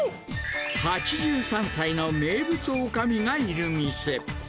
８３歳の名物おかみがいる店。